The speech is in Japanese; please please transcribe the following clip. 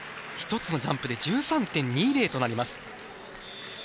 １つのジャンプで１３．２０となります。